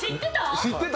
知ってた？